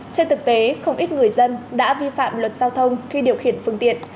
trên thực tế không ít người dân đã vi phạm luật giao thông khi điều khiển phương tiện